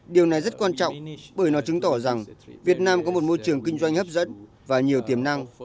điều này rất quan trọng bởi nó chứng tỏ rằng việt nam có một môi trường kinh doanh hấp dẫn và nhiều tiềm năng